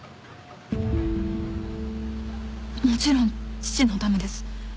もちろん父のためです。